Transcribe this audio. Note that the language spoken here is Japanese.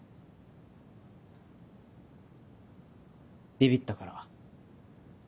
ビビったから。